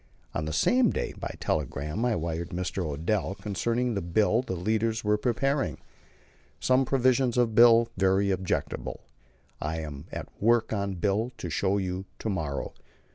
On the same day, by telegram, I wired Mr. Odell concerning the bill the leaders were preparing: "Some provisions of bill very objectionable. I am at work on bill to show you to morrow.